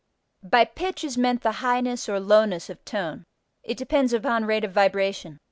By pitch is meant the highness or lowness of tone. It depends upon rate of vibration.